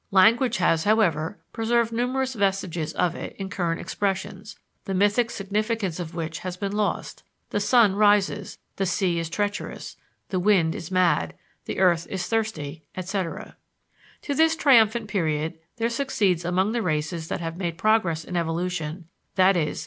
Language has, however, preserved numerous vestiges of it in current expressions, the mythic signification of which has been lost the sun rises, the sea is treacherous, the wind is mad, the earth is thirsty, etc. To this triumphant period there succeeds among the races that have made progress in evolution, i.e.